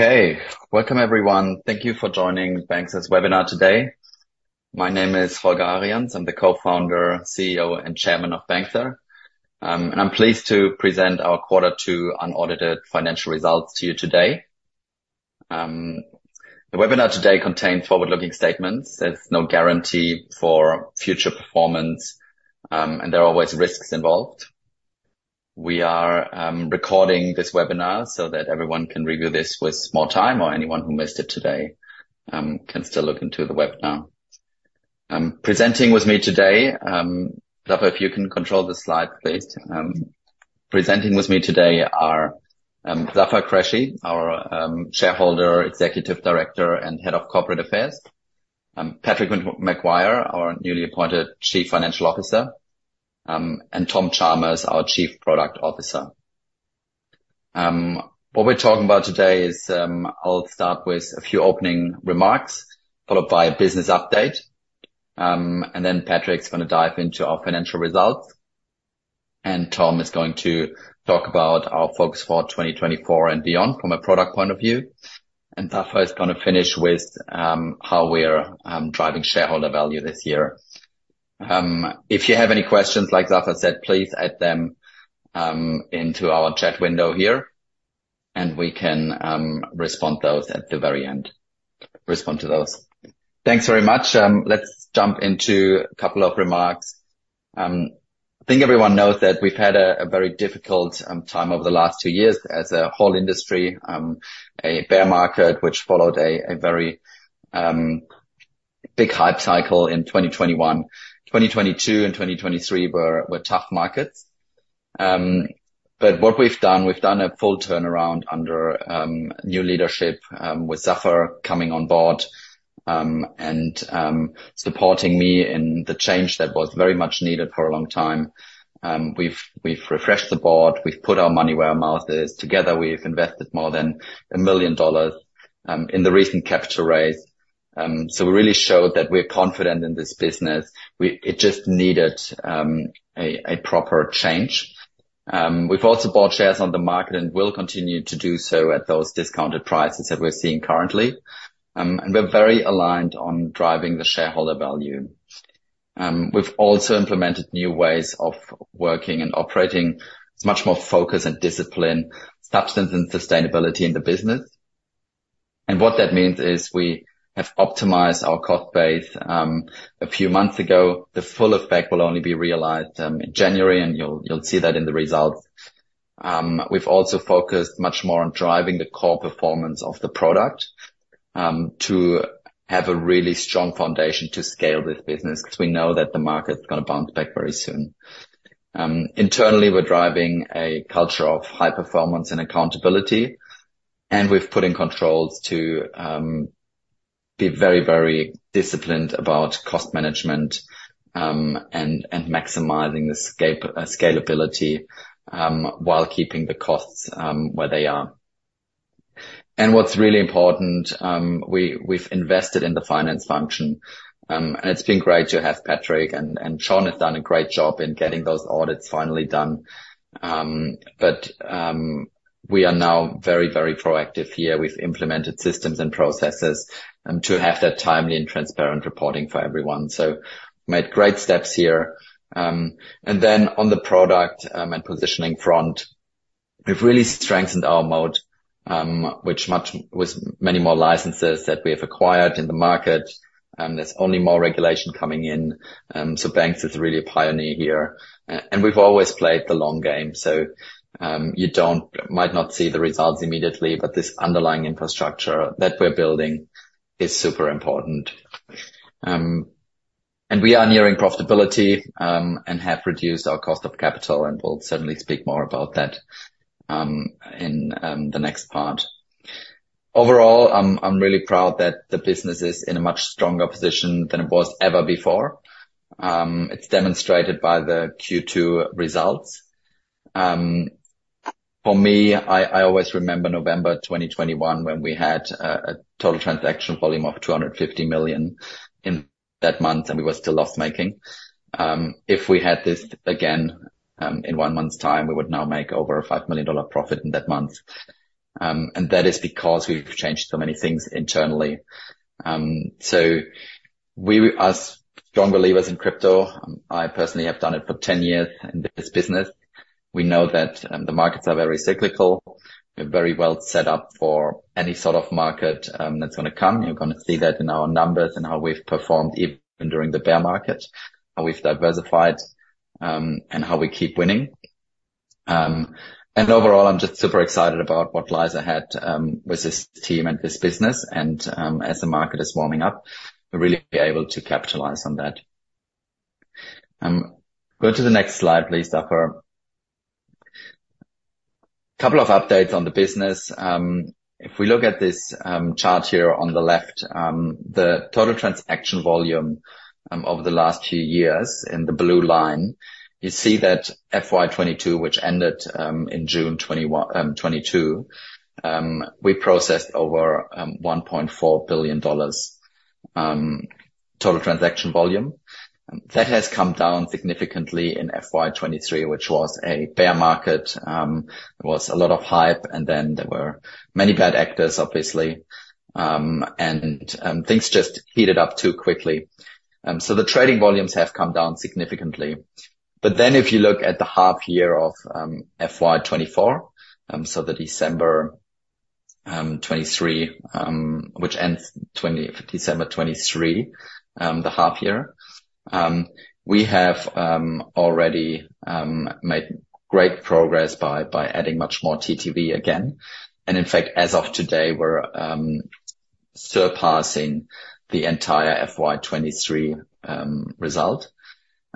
Okay, welcome everyone. Thank you for joining Banxa's webinar today. My name is Holger Arians. I'm the co-founder, CEO, and Chairman of Banxa. And I'm pleased to present our quarter two unaudited financial results to you today. The webinar today contains forward-looking statements. There's no guarantee for future performance, and there are always risks involved. We are recording this webinar so that everyone can review this with more time or anyone who missed it today can still look into the webinar. Presenting with me today, Zafer, if you can control the slide, please. Presenting with me today are Zafer Qureshi, our shareholder, Executive Director, and Head of Corporate Affairs, Patrick Maguire, our newly appointed Chief Financial Officer, and Tom Chalmers, our Chief Product Officer. What we're talking about today is, I'll start with a few opening remarks, followed by a business update. And then Patrick's gonna dive into our financial results, and Tom is going to talk about our focus for 2024 and beyond from a product point of view. And Zafer is gonna finish with how we're driving shareholder value this year. If you have any questions, like Zafer said, please add them into our chat window here, and we can respond those at the very end. Respond to those. Thanks very much. Let's jump into a couple of remarks. I think everyone knows that we've had a very difficult time over the last 2 years as a whole industry, a bear market, which followed a very big hype cycle in 2021. 2022 and 2023 were tough markets. But what we've done, we've done a full turnaround under new leadership with Zafer coming on board and supporting me in the change that was very much needed for a long time. We've refreshed the Board, we've put our money where our mouth is. Together, we've invested more than 1 million dollars in the recent capital raise. So we really showed that we're confident in this business. It just needed a proper change. We've also bought shares on the market and will continue to do so at those discounted prices that we're seeing currently. We're very aligned on driving the shareholder value. We've also implemented new ways of working and operating. It's much more focus and discipline, substance and sustainability in the business. What that means is we have optimized our cost base a few months ago. The full effect will only be realized in January, and you'll see that in the results. We've also focused much more on driving the core performance of the product to have a really strong foundation to scale this business, 'cause we know that the market's gonna bounce back very soon. Internally, we're driving a culture of high performance and accountability, and we've put in controls to be very, very disciplined about cost management and maximizing the scalability while keeping the costs where they are. What's really important, we've invested in the finance function. And it's been great to have Patrick, and Sean has done a great job in getting those audits finally done. But we are now very, very proactive here. We've implemented systems and processes to have that timely and transparent reporting for everyone. So made great steps here. And then on the product and positioning front, we've really strengthened our moat with many more licenses that we have acquired in the market, and there's only more regulation coming in. So Banxa is really a pioneer here. And we've always played the long game, so you might not see the results immediately, but this underlying infrastructure that we're building is super important. And we are nearing profitability and have reduced our cost of capital, and we'll certainly speak more about that in the next part. Overall, I'm really proud that the business is in a much stronger position than it was ever before. It's demonstrated by the Q2 results. For me, I always remember November 2021, when we had a total transaction volume of $250 million in that month, and we were still loss-making. If we had this again, in one month's time, we would now make over a $5 million profit in that month. And that is because we've changed so many things internally. So we are strong believers in crypto. I personally have done it for 10 years in this business. We know that, the markets are very cyclical. We're very well set up for any sort of market, that's gonna come. You're gonna see that in our numbers and how we've performed even during the bear market, how we've diversified, and how we keep winning. And overall, I'm just super excited about what lies ahead with this team and this business, and as the market is warming up, we'll really be able to capitalize on that. Go to the next slide, please, Zafer. A couple of updates on the business. If we look at this chart here on the left, the total transaction volume over the last few years in the blue line, you see that FY 2022, which ended in June 2022, we processed over $1.4 billion total transaction volume. And that has come down significantly in FY 2023, which was a bear market. There was a lot of hype, and then there were many bad actors, obviously. And things just heated up too quickly. So the trading volumes have come down significantly. But then if you look at the half year of FY 2024, so the December 2023, which ends December 2023, the half year, we have already made great progress by adding much more TTV again. And in fact, as of today, we're surpassing the entire FY 2023 result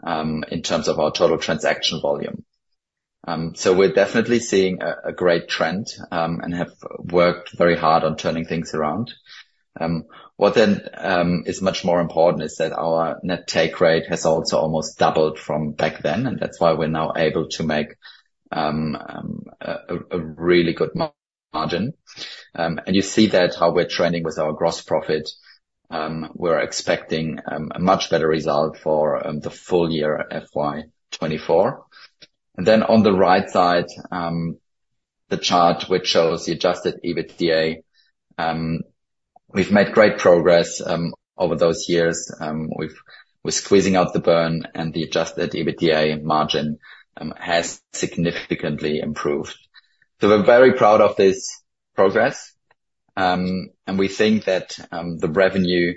in terms of our total transaction volume. So we're definitely seeing a great trend and have worked very hard on turning things around. What then is much more important is that our net take rate has also almost doubled from back then, and that's why we're now able to make a really good margin. And you see that how we're trending with our gross profit. We're expecting a much better result for the full year FY 2024. Then on the right side, the chart, which shows the Adjusted EBITDA. We've made great progress over those years. We're squeezing out the burn, and the Adjusted EBITDA margin has significantly improved. So we're very proud of this progress, and we think that the revenue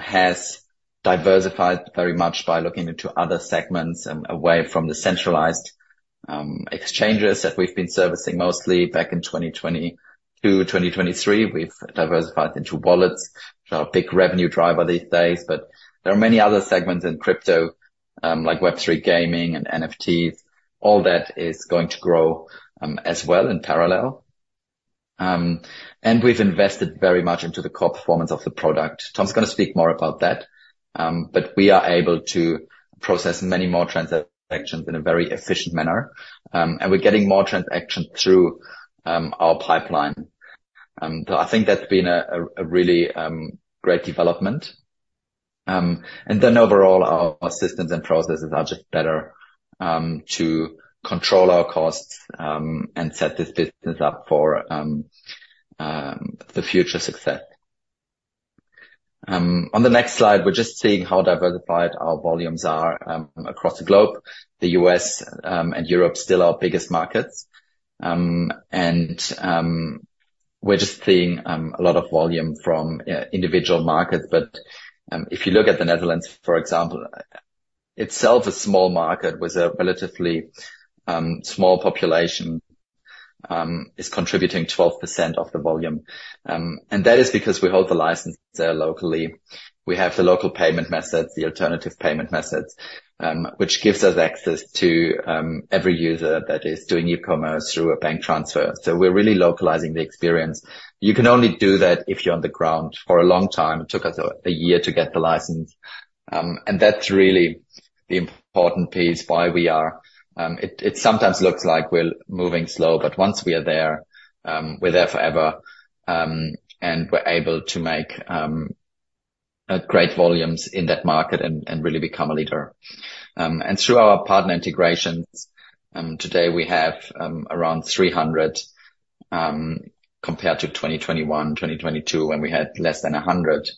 has diversified very much by looking into other segments, away from the centralized exchanges that we've been servicing mostly back in 2022, 2023. We've diversified into wallets, so a big revenue driver these days. But there are many other segments in crypto, like Web3 gaming and NFTs. All that is going to grow, as well in parallel. And we've invested very much into the core performance of the product. Tom's gonna speak more about that. But we are able to process many more transactions in a very efficient manner, and we're getting more transactions through our pipeline. So I think that's been a really great development. And then overall, our systems and processes are just better to control our costs and set this business up for the future success. On the next slide, we're just seeing how diversified our volumes are across the globe. The U.S. and Europe still our biggest markets. And we're just seeing a lot of volume from individual markets. But if you look at the Netherlands, for example, itself a small market with a relatively small population is contributing 12% of the volume. And that is because we hold the license there locally. We have the local payment methods, the alternative payment methods, which gives us access to every user that is doing e-commerce through a bank transfer. So we're really localizing the experience. You can only do that if you're on the ground for a long time. It took us a year to get the license. And that's really the important piece, why we are. It sometimes looks like we're moving slow, but once we are there, we're there forever, and we're able to make great volumes in that market and really become a leader. And through our partner integrations, today we have around 300, compared to 2021, 2022, when we had less than 100.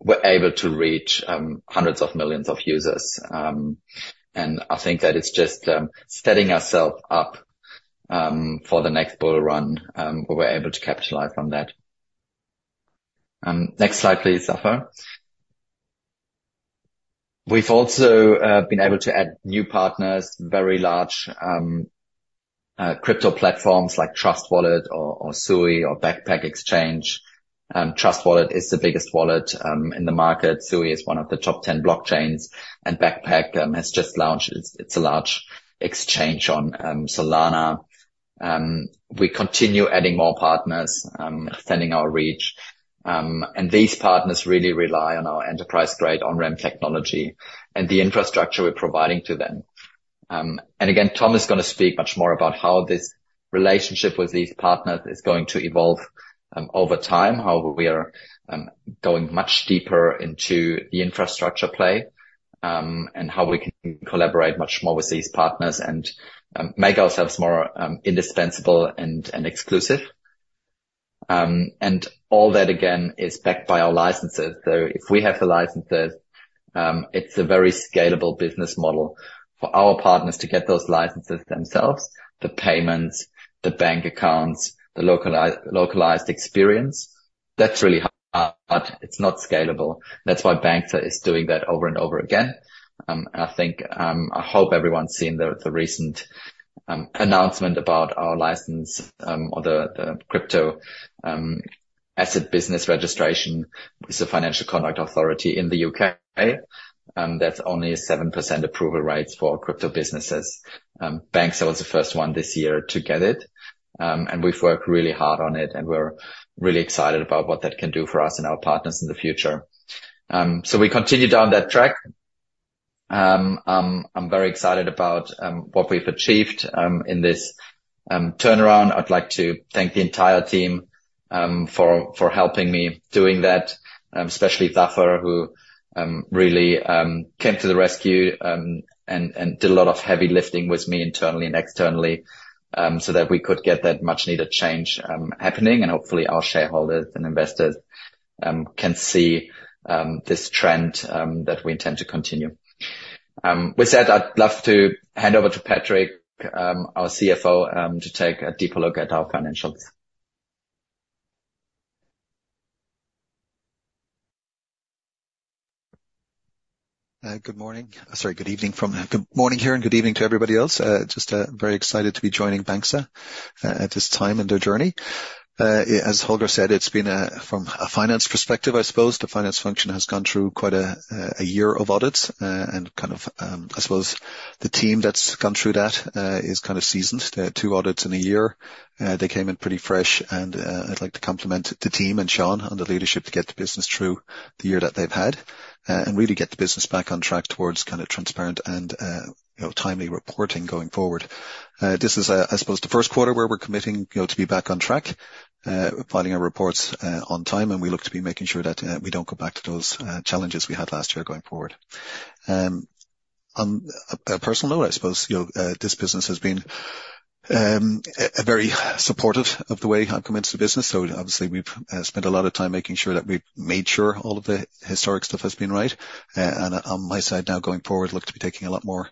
We're able to reach hundreds of millions of users. I think that it's just setting ourself up for the next bull run. We're able to capitalize on that. Next slide, please, Zafer. We've also been able to add new partners, very large crypto platforms like Trust Wallet or Sui or Backpack Exchange. Trust Wallet is the biggest wallet in the market. Sui is one of the top 10 blockchains, and Backpack has just launched. It's a large exchange on Solana. We continue adding more partners, extending our reach. And these partners really rely on our enterprise-grade on-ramp technology and the infrastructure we're providing to them. And again, Tom is gonna speak much more about how this relationship with these partners is going to evolve, over time, how we are going much deeper into the infrastructure play, and how we can collaborate much more with these partners and make ourselves more indispensable and exclusive. And all that, again, is backed by our licenses. So if we have the licenses, it's a very scalable business model. For our partners to get those licenses themselves, the payments, the bank accounts, the localized experience, that's really hard, but it's not scalable. That's why Banxa is doing that over and over again. And I think, I hope everyone's seen the recent announcement about our license or the crypto asset business registration with the Financial Conduct Authority in the U.K. That's only a 7% approval rates for crypto businesses. Banxa was the first one this year to get it. And we've worked really hard on it, and we're really excited about what that can do for us and our partners in the future. So we continue down that track. I'm very excited about what we've achieved in this turnaround. I'd like to thank the entire team for helping me doing that, especially Zafer, who really came to the rescue and did a lot of heavy lifting with me internally and externally, so that we could get that much needed change happening, and hopefully, our shareholders and investors can see this trend that we intend to continue. With that, I'd love to hand over to Patrick, our CFO, to take a deeper look at our financials. Good morning. Sorry, good evening from—good morning here, and good evening to everybody else. Just very excited to be joining Banxa at this time in their journey. As Holger said, it's been from a finance perspective, I suppose, the finance function has gone through quite a year of audits, and kind of, I suppose the team that's gone through that is kind of seasoned. They had two audits in a year. They came in pretty fresh, and I'd like to compliment the team and Sean on the leadership to get the business through the year that they've had, and really get the business back on track towards kind of transparent and, you know, timely reporting going forward. This is, I suppose, the first quarter where we're committing, you know, to be back on track, filing our reports on time, and we look to be making sure that we don't go back to those challenges we had last year going forward. On a personal note, I suppose, you know, this business has been very supportive of the way I've come into the business, so obviously, we've spent a lot of time making sure that we've made sure all of the historic stuff has been right. On my side, now going forward, look to be taking a lot more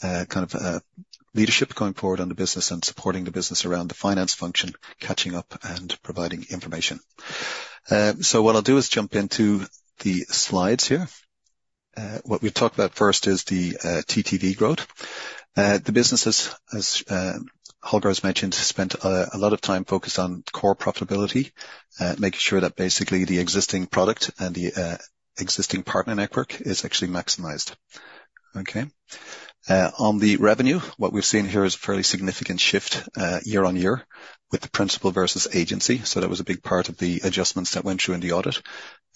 kind of leadership going forward on the business and supporting the business around the finance function, catching up and providing information. What I'll do is jump into the slides here. What we'll talk about first is the TTV growth. The business, as Holger has mentioned, spent a lot of time focused on core profitability, making sure that basically the existing product and the existing partner network is actually maximized. Okay? On the revenue, what we've seen here is a fairly significant shift year-on-year with the principal versus agency. So that was a big part of the adjustments that went through in the audit.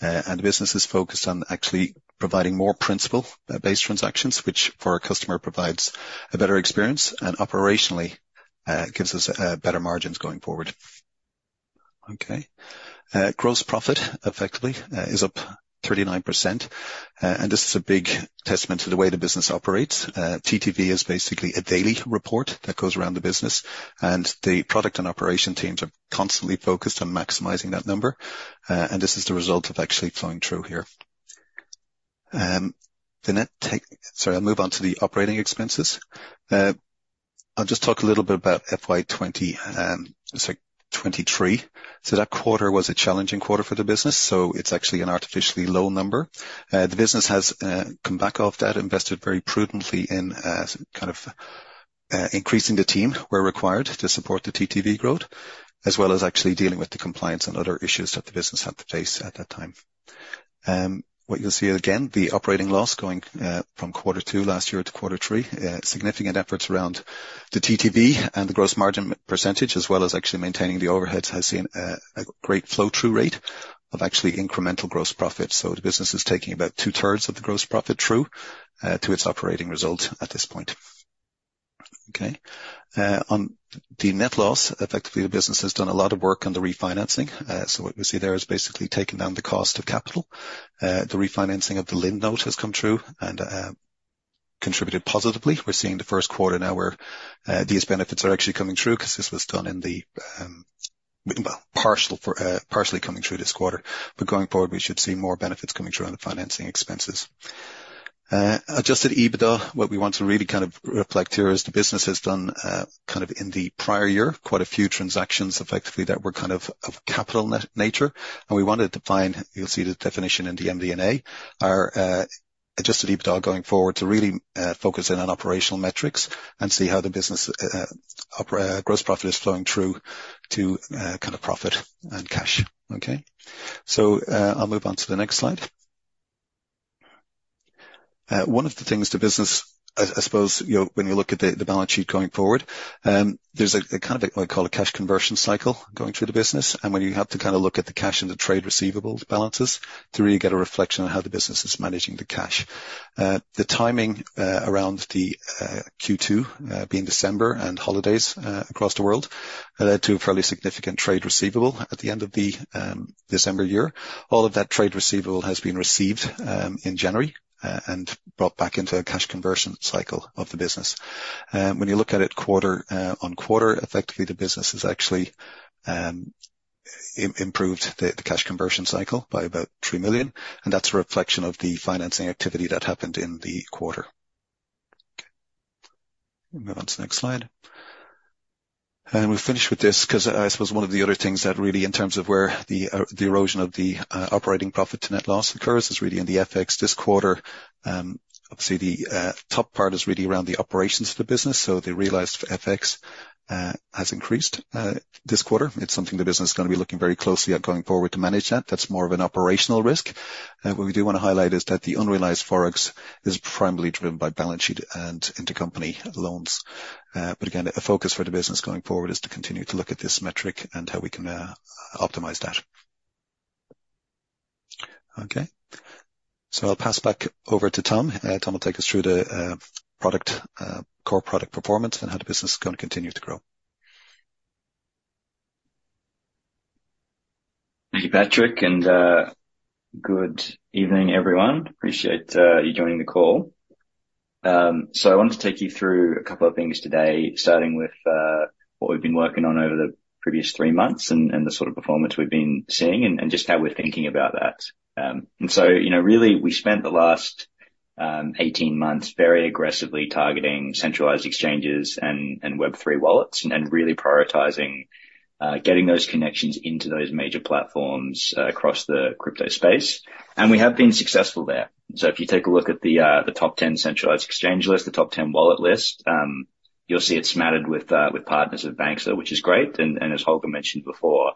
And the business is focused on actually providing more principal-based transactions, which, for our customer, provides a better experience, and operationally, gives us better margins going forward. Okay. Gross profit, effectively, is up 39%, and this is a big testament to the way the business operates. TTV is basically a daily report that goes around the business, and the product and operation teams are constantly focused on maximizing that number. This is the result of actually flowing through here. Sorry, I'll move on to the operating expenses. I'll just talk a little bit about FY 2023. That quarter was a challenging quarter for the business, so it's actually an artificially low number. The business has come back off that, invested very prudently in kind of increasing the team where required to support the TTV growth, as well as actually dealing with the compliance and other issues that the business had to face at that time. What you'll see again, the operating loss going from quarter two last year to quarter three. Significant efforts around the TTV and the gross margin percentage, as well as actually maintaining the overheads, has seen a great flow through rate of actually incremental gross profit. So the business is taking about 2/3of the gross profit through to its operating results at this point. Okay. On the net loss, effectively, the business has done a lot of work on the refinancing. So what you see there is basically taking down the cost of capital. The refinancing of the Lind note has come through and contributed positively. We're seeing the first quarter now where these benefits are actually coming through, 'cause this was done in the, well, partially coming through this quarter. But going forward, we should see more benefits coming through on the financing expenses. Adjusted EBITDA, what we want to really kind of reflect here is the business has done, kind of in the prior year, quite a few transactions, effectively, that were kind of, of capital nature, and we wanted to find... You'll see the definition in the MD&A, our adjusted EBITDA going forward to really focus in on operational metrics and see how the business, gross profit is flowing through to, kind of, profit and cash. Okay? So, I'll move on to the next slide. One of the things the business, I suppose, you know, when you look at the balance sheet going forward, there's a kind of what I call a cash conversion cycle going through the business. When you have to kind of look at the cash and the trade receivables balances to really get a reflection on how the business is managing the cash. The timing around the Q2 being December and holidays across the world led to a fairly significant trade receivable at the end of the December year. All of that trade receivable has been received in January and brought back into a cash conversion cycle of the business. When you look at it quarter-on-quarter, effectively, the business has actually improved the cash conversion cycle by about 3 million, and that's a reflection of the financing activity that happened in the quarter. Move on to the next slide. We'll finish with this, 'cause I suppose one of the other things that really, in terms of where the erosion of the operating profit to net loss occurs is really in the FX this quarter. Obviously, the top part is really around the operations of the business, so the realized FX has increased this quarter. It's something the business is gonna be looking very closely at going forward to manage that. That's more of an operational risk. What we do want to highlight is that the unrealized forex is primarily driven by balance sheet and intercompany loans. But again, a focus for the business going forward is to continue to look at this metric and how we can optimize that.... Okay, so I'll pass back over to Tom. Tom will take us through the core product performance and how the business is going to continue to grow. Thank you, Patrick, and good evening, everyone. Appreciate you joining the call. So I wanted to take you through a couple of things today, starting with what we've been working on over the previous 3 months and the sort of performance we've been seeing, and just how we're thinking about that. And so, you know, really, we spent the last 18 months very aggressively targeting centralized exchanges and Web3 wallets and really prioritizing getting those connections into those major platforms across the crypto space. And we have been successful there. So if you take a look at the top ten centralized exchange list, the top ten wallet list, you'll see it's smattered with partners of Banxa, which is great, and as Holger mentioned before,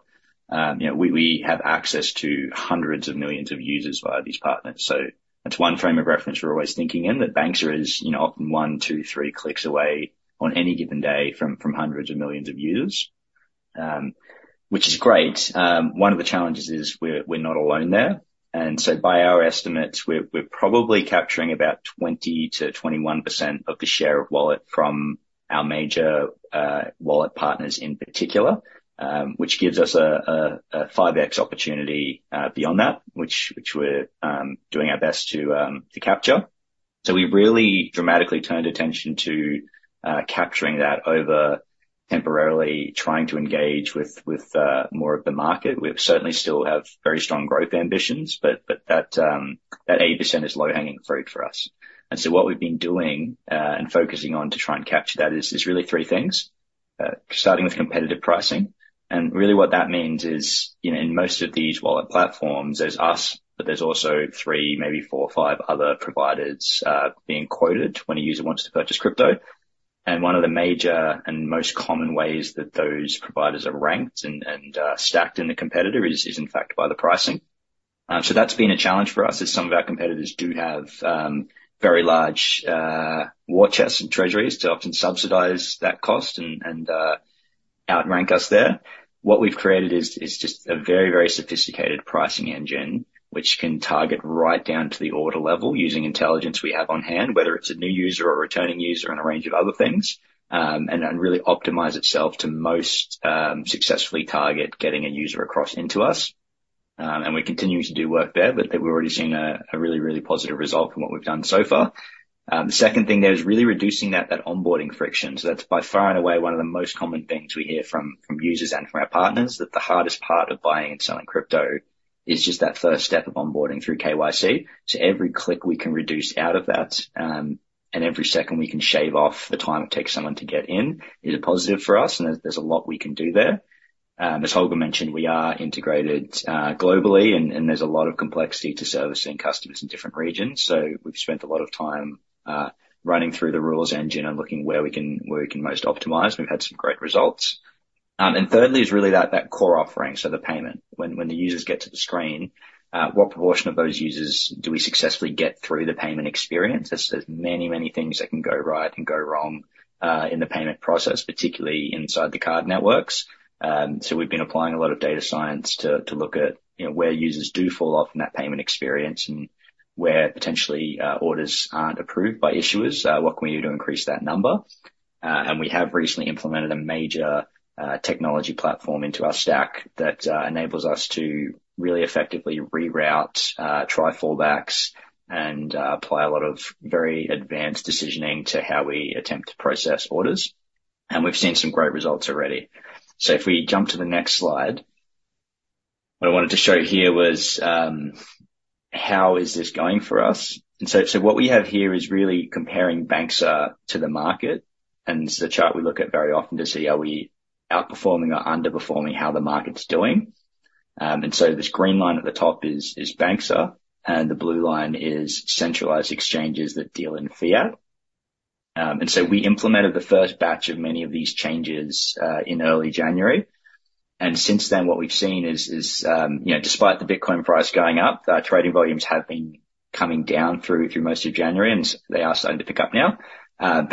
you know, we have access to hundreds of millions of users via these partners. So that's one frame of reference we're always thinking in, that Banxa is, you know, often one, two, three clicks away on any given day from hundreds of millions of users, which is great. One of the challenges is we're not alone there. By our estimates, we're probably capturing about 20%-21% of the share of wallet from our major wallet partners in particular, which gives us a 5x opportunity beyond that, which we're doing our best to capture. So we've really dramatically turned attention to capturing that over temporarily trying to engage with more of the market. We certainly still have very strong growth ambitions, but that 80% is low-hanging fruit for us. And so what we've been doing and focusing on to try and capture that is really three things, starting with competitive pricing. And really what that means is, you know, in most of these wallet platforms, there's us, but there's also three, maybe four or five other providers being quoted when a user wants to purchase crypto. And one of the major and most common ways that those providers are ranked and stacked in the competitor is in fact by the pricing. So that's been a challenge for us, as some of our competitors do have very large war chests and treasuries to often subsidize that cost and outrank us there. What we've created is just a very, very sophisticated pricing engine, which can target right down to the order level using intelligence we have on hand, whether it's a new user or a returning user, and a range of other things, and really optimize itself to most successfully target getting a user across into us. And we're continuing to do work there, but we're already seeing a really, really positive result from what we've done so far. The second thing there is really reducing that onboarding friction. So that's by far and away one of the most common things we hear from users and from our partners, that the hardest part of buying and selling crypto is just that first step of onboarding through KYC. So every click we can reduce out of that, and every second we can shave off the time it takes someone to get in, is a positive for us, and there's a lot we can do there. As Holger mentioned, we are integrated globally and there's a lot of complexity to servicing customers in different regions, so we've spent a lot of time running through the rules engine and looking where we can most optimize. We've had some great results. And thirdly is really that core offering, so the payment. When the users get to the screen, what proportion of those users do we successfully get through the payment experience? There's many things that can go right and go wrong in the payment process, particularly inside the card networks. So we've been applying a lot of data science to look at, you know, where users do fall off in that payment experience and where potentially orders aren't approved by issuers. What can we do to increase that number? And we have recently implemented a major technology platform into our stack that enables us to really effectively reroute, try fallbacks and apply a lot of very advanced decisioning to how we attempt to process orders, and we've seen some great results already. So if we jump to the next slide. What I wanted to show here was how is this going for us? So what we have here is really comparing Banxa to the market, and this is a chart we look at very often to see are we outperforming or underperforming how the market's doing. This green line at the top is Banxa, and the blue line is centralized exchanges that deal in fiat. We implemented the first batch of many of these changes in early January. Since then, what we've seen is you know, despite the Bitcoin price going up, our trading volumes have been coming down through most of January, and they are starting to pick up now.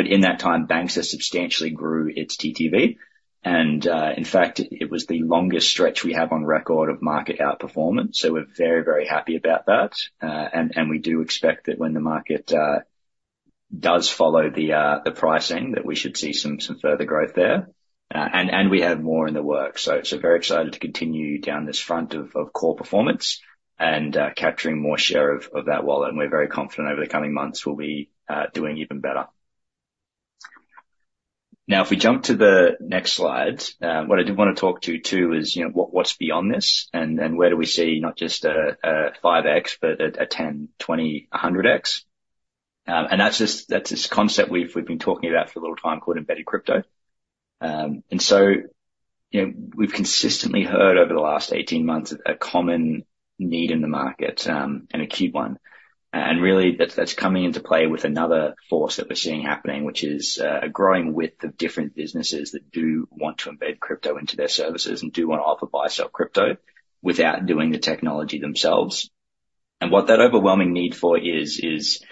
In that time, Banxa substantially grew its TTV, and in fact, it was the longest stretch we have on record of market outperformance, so we're very, very happy about that. We do expect that when the market does follow the pricing, that we should see some further growth there. And we have more in the works, so very excited to continue down this front of core performance and capturing more share of that wallet. And we're very confident over the coming months, we'll be doing even better. Now, if we jump to the next slide, what I did want to talk to you too is, you know, what's beyond this, and where do we see not just a 5x, but a 10x, 20x, 100x? And that's this concept we've been talking about for a little time called Embedded Crypto. And so, you know, we've consistently heard over the last 18 months, a common need in the market, and a key one. Really, that's, that's coming into play with another force that we're seeing happening, which is a growing width of different businesses that do want to embed crypto into their services and do want to offer, buy, sell crypto without doing the technology themselves. What that overwhelming need for is, is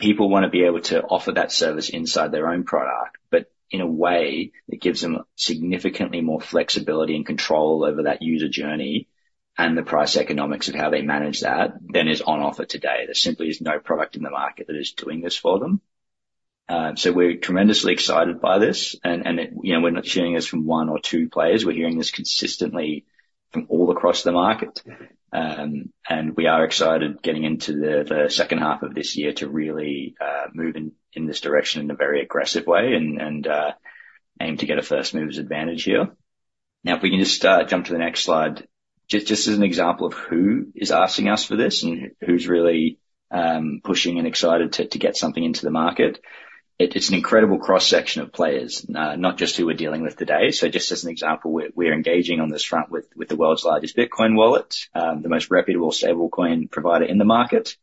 people want to be able to offer that service inside their own product, but in a way that gives them significantly more flexibility and control over that user journey and the price economics of how they manage that than is on offer today. There simply is no product in the market that is doing this for them. So we're tremendously excited by this, and, and, you know, we're not hearing this from one or two players. We're hearing this consistently from all across the market. And we are excited getting into the second half of this year to really move in this direction in a very aggressive way and aim to get a first mover's advantage here. Now, if we can just jump to the next slide. Just as an example of who is asking us for this and who's really pushing and excited to get something into the market, it's an incredible cross-section of players, not just who we're dealing with today. So just as an example, we're engaging on this front with the world's largest Bitcoin wallet, the most reputable stablecoin provider in the market,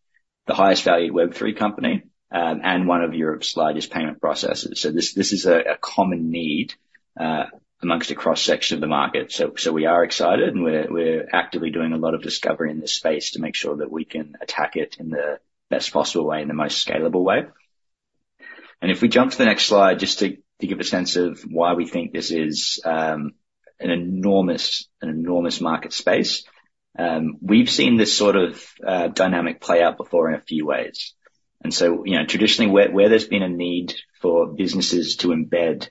the highest valued Web3 company, and one of Europe's largest payment processors. So this is a common need among a cross-section of the market. So we are excited, and we're actively doing a lot of discovery in this space to make sure that we can attack it in the best possible way, in the most scalable way. If we jump to the next slide, just to give a sense of why we think this is an enormous market space. We've seen this sort of dynamic play out before in a few ways. And so, you know, traditionally, where there's been a need for businesses to embed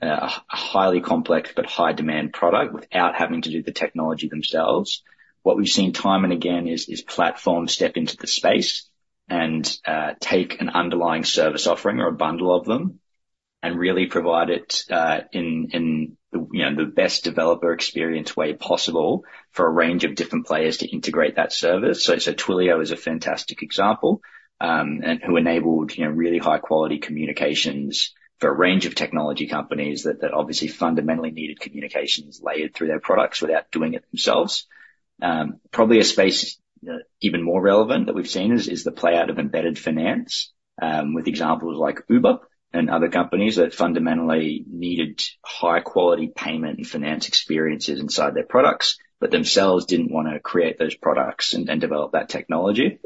a highly complex but high-demand product without having to do the technology themselves, what we've seen time and again is platforms step into the space and take an underlying service offering or a bundle of them and really provide it in the, you know, the best developer experience way possible for a range of different players to integrate that service. So Twilio is a fantastic example, and who enabled, you know, really high-quality communications for a range of technology companies that obviously fundamentally needed communications layered through their products without doing it themselves. Probably a space even more relevant that we've seen is the play out of embedded finance with examples like Uber and other companies that fundamentally needed high-quality payment and finance experiences inside their products, but themselves didn't wanna create those products and develop that technology.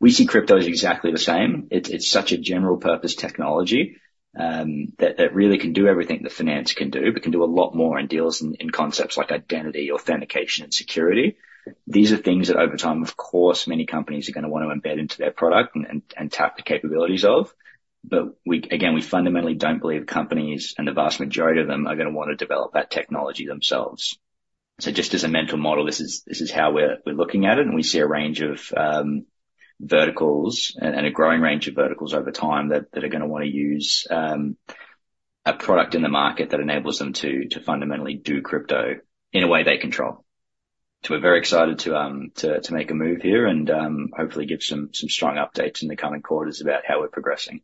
We see crypto as exactly the same. It's such a general purpose technology that really can do everything that finance can do, but can do a lot more and deals in concepts like identity, authentication, and security. These are things that over time, of course, many companies are gonna want to embed into their product and tap the capabilities of. But we... Again, we fundamentally don't believe companies, and the vast majority of them, are gonna wanna develop that technology themselves. So just as a mental model, this is how we're looking at it, and we see a range of verticals and a growing range of verticals over time that are gonna wanna use a product in the market that enables them to fundamentally do crypto in a way they control. So we're very excited to make a move here and hopefully give some strong updates in the coming quarters about how we're progressing.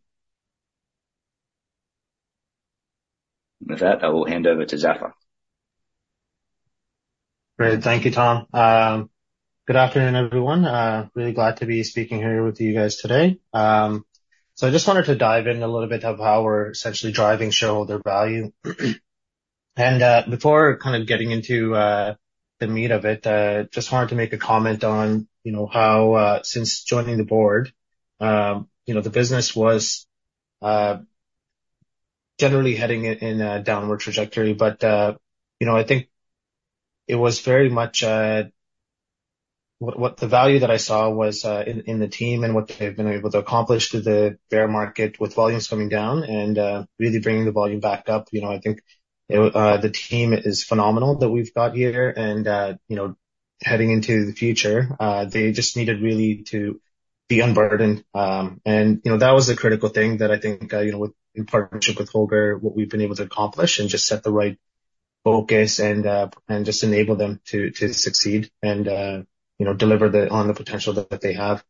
With that, I will hand over to Zafer. Great. Thank you, Tom. Good afternoon, everyone. Really glad to be speaking here with you guys today. So I just wanted to dive in a little bit of how we're essentially driving shareholder value. Before kind of getting into the meat of it, just wanted to make a comment on, you know, how, since joining the Board, you know, the business was generally heading in a downward trajectory. You know, I think it was very much what the value that I saw was in the team and what they've been able to accomplish through the bear market with volumes coming down and really bringing the volume back up. You know, I think, the team is phenomenal that we've got here, and, you know, heading into the future, they just needed really to be unburdened. And, you know, that was the critical thing that I think, you know, with, in partnership with Holger, what we've been able to accomplish and just set the right focus and, and just enable them to, to succeed and, you know, deliver on the potential that they have.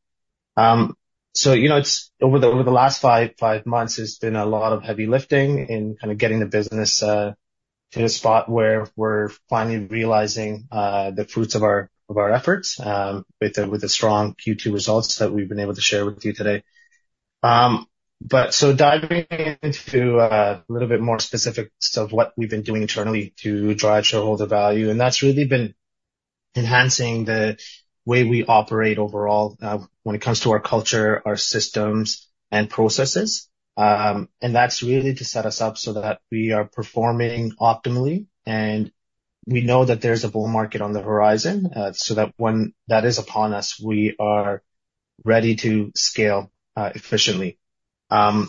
So, you know, it's over the, over the last 5 months, there's been a lot of heavy lifting in kind of getting the business, to a spot where we're finally realizing, the fruits of our, of our efforts, with the, with the strong Q2 results that we've been able to share with you today. But so diving into a little bit more specifics of what we've been doing internally to drive shareholder value, and that's really been enhancing the way we operate overall, when it comes to our culture, our systems, and processes. And that's really to set us up so that we are performing optimally, and we know that there's a bull market on the horizon, so that when that is upon us, we are ready to scale efficiently. So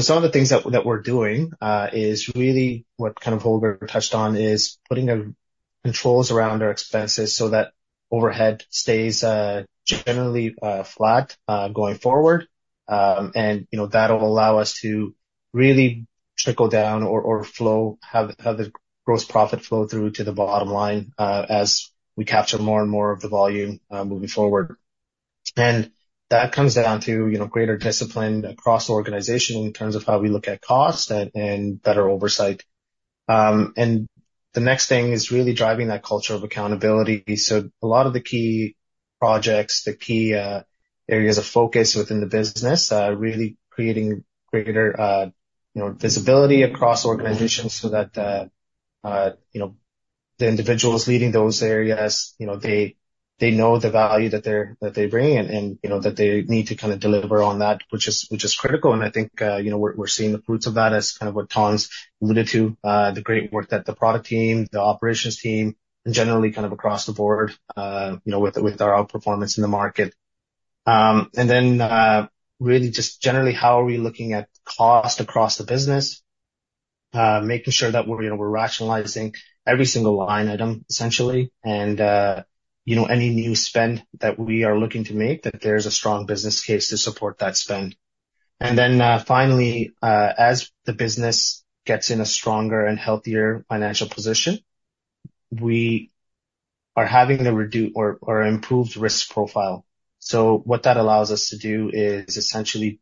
some of the things that we're doing is really what kind of Holger touched on, is putting controls around our expenses so that overhead stays generally flat going forward. And, you know, that'll allow us to really have the gross profit flow through to the bottom line as we capture more and more of the volume moving forward. And that comes down to, you know, greater discipline across the organization in terms of how we look at cost and better oversight. And the next thing is really driving that culture of accountability. So a lot of the key projects, the key areas of focus within the business really creating greater, you know, visibility across organizations so that you know, the individuals leading those areas, you know, they know the value that they bring in, and, you know, that they need to kind of deliver on that, which is critical. And I think, you know, we're, we're seeing the fruits of that as kind of what Tom's alluded to, the great work that the product team, the operations team, and generally kind of across the board, you know, with, with our outperformance in the market. And then, really just generally, how are we looking at cost across the business? Making sure that we're, you know, we're rationalizing every single line item, essentially. And, you know, any new spend that we are looking to make, that there's a strong business case to support that spend. And then, finally, as the business gets in a stronger and healthier financial position, we are having the redu... or, or improved risk profile. So what that allows us to do is essentially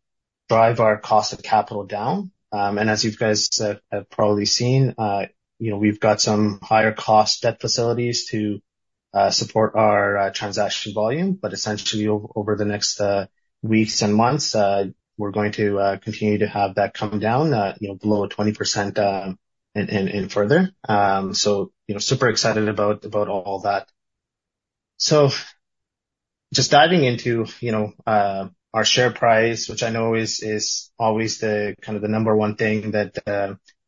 drive our cost of capital down. And as you guys have probably seen, you know, we've got some higher cost debt facilities to support our transaction volume. But essentially, over the next weeks and months, we're going to continue to have that come down, you know, below 20%, and further. So, you know, super excited about all that. So just diving into, you know, our share price, which I know is always the kind of the number one thing that,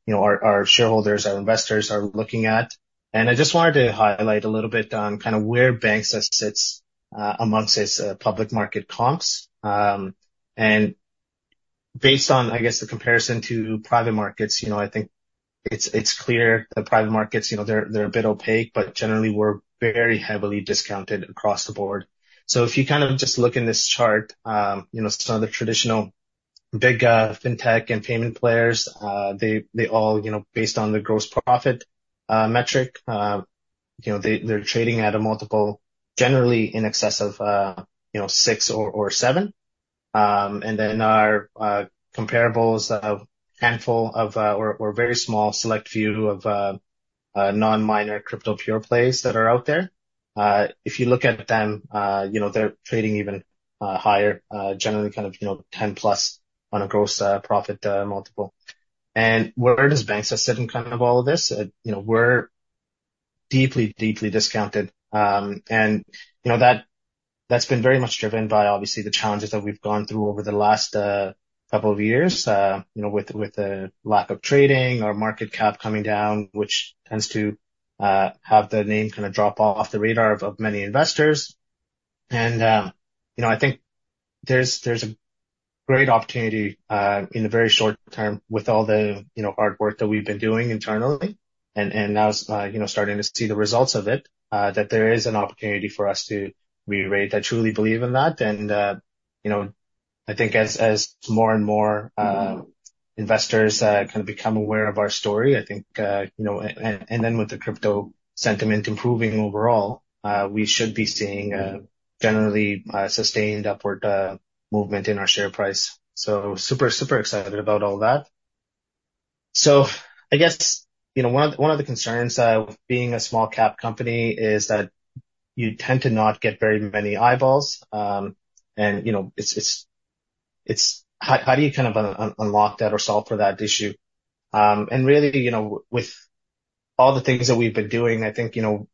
you know, our shareholders, our investors are looking at. And I just wanted to highlight a little bit on kind of where Banxa sits amongst its public market comps. And based on, I guess, the comparison to private markets, you know, I think it's clear the private markets, you know, they're a bit opaque, but generally, we're very heavily discounted across the board. So if you kind of just look in this chart, you know, some of the traditional big fintech and payment players, they all, you know, based on the gross profit metric, you know, they're trading at a multiple, generally in excess of, you know, 6 or 7. And then our comparables, a handful of or very small select few of non-major crypto pure plays that are out there. If you look at them, you know, they're trading even higher, generally kind of, you know, 10+ on a gross profit multiple. Where does Banxa sit in kind of all of this? You know, we're deeply, deeply discounted. You know, that's been very much driven by, obviously, the challenges that we've gone through over the last couple of years, you know, with the lack of trading, our market cap coming down, which tends to have the name kind of drop off the radar of many investors. You know, I think there's a great opportunity in the very short term with all the, you know, hard work that we've been doing internally, and now, you know, starting to see the results of it, that there is an opportunity for us to rerate. I truly believe in that, and, you know, I think as more and more investors kind of become aware of our story, I think, you know. And then with the crypto sentiment improving overall, we should be seeing generally sustained upward movement in our share price. So super, super excited about all that. So I guess, you know, one of the concerns with being a small cap company is that you tend to not get very many eyeballs. And, you know, it's how do you kind of unlock that or solve for that issue? And really, you know, with all the things that we've been doing, I think, you know,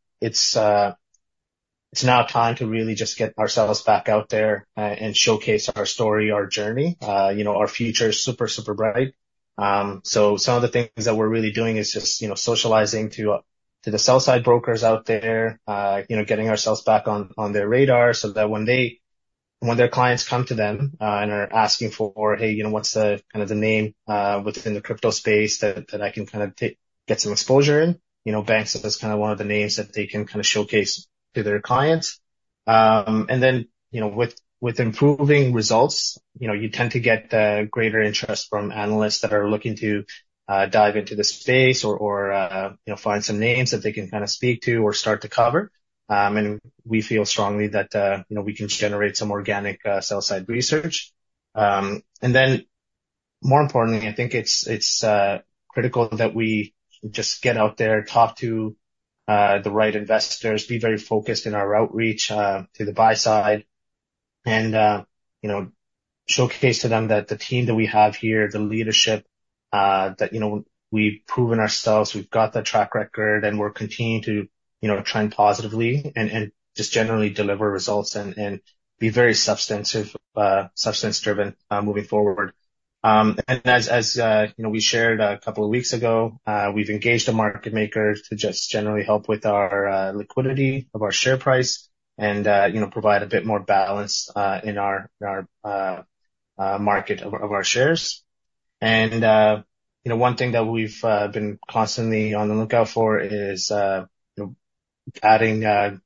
it's now time to really just get ourselves back out there, and showcase our story, our journey. You know, our future is super, super bright. So some of the things that we're really doing is just, you know, socializing to the sell side brokers out there, you know, getting ourselves back on their radar, so that when their clients come to them, and are asking for, "Hey, you know, what's the kind of the name within the crypto space that I can kind of take... get some exposure in?" You know, Banxa is kind of one of the names that they can kind of showcase to their clients. And then, you know, with improving results, you know, you tend to get greater interest from analysts that are looking to dive into the space or, you know, find some names that they can kind of speak to or start to cover. And we feel strongly that, you know, we can generate some organic sell-side research. And then, more importantly, I think it's critical that we just get out there, talk to the right investors, be very focused in our outreach to the buy side, and, you know, showcase to them that the team that we have here, the leadership, that, you know, we've proven ourselves, we've got the track record, and we're continuing to, you know, trend positively and just generally deliver results and be very substantive, substance-driven moving forward. And as you know, we shared a couple of weeks ago, we've engaged a market maker to just generally help with our liquidity of our share price and, you know, provide a bit more balance in our market of our shares. And, you know, one thing that we've been constantly on the lookout for is adding